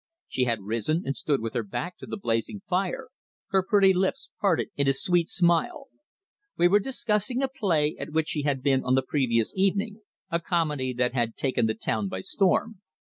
She had risen and stood with her back to the blazing fire, her pretty lips parted in a sweet smile. We were discussing a play at which she had been on the previous evening, a comedy that had taken the town by storm.